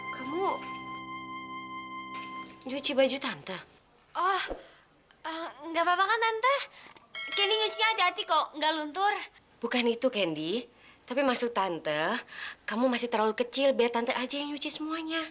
sampai jumpa di video selanjutnya